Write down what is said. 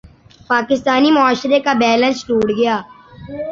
پاکستانی معاشرے کا بیلنس ٹوٹ گیا۔